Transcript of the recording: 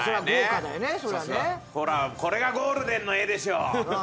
ほらこれがゴールデンの絵でしょ。